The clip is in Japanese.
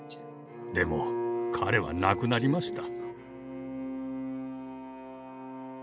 でも彼は亡くなりました。